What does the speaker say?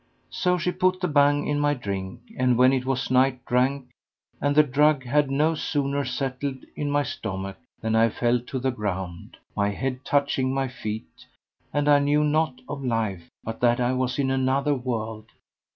So she put the Bhang in my drink, and when it was night I drank, and the drug had no sooner settled in my stomach than I fell to the ground, my head touching my feet, and knew naught of my life but that I was in another world.